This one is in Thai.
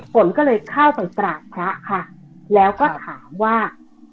ฝนก็เลยเข้าไปกราบพระค่ะแล้วก็ถามว่า